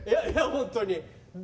本当に。